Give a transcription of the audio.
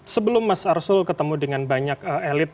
sebelum mas arsul ketemu dengan banyak elit